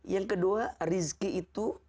yang kedua rezeki itu